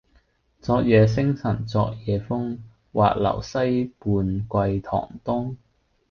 昨夜星辰昨夜風，畫樓西畔桂堂東。